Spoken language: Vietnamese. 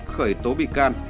khởi tố bị can